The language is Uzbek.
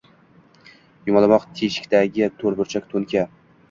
Yumaloq teshikdagi to’rtburchak to’nka